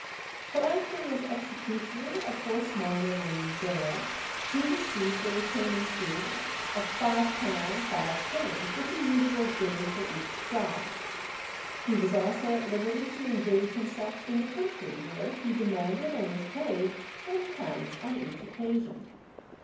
For acting as executioner of Horsemonger Lane Gaol he received a retaining fee of £5 5_s._, with the usual guinea for each job; he was also at liberty to engage himself in the country, where he demanded and was paid £10 on each occasion.